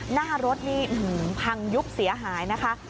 หน้ารถนี่พังยุบเสียหายนะคะ